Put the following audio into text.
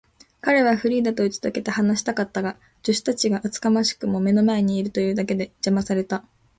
彼はフリーダとうちとけて話したかったが、助手たちが厚かましくも目の前にいるというだけで、じゃまされた。